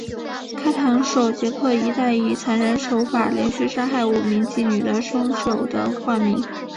开膛手杰克一带以残忍手法连续杀害五名妓女的凶手的化名。